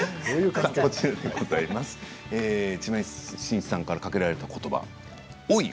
千葉真一さんからかけられたことば、オイ！